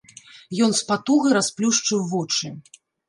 Ён з патугай расплюшчыў вочы.